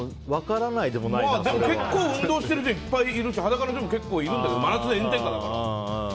結構運動してる人いっぱいいるし裸の人も結構いるんだけど真夏の炎天下だから。